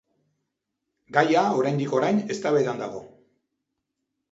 Gaia oraindik orain eztabaidan dago.